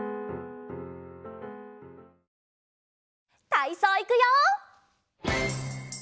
たいそういくよ！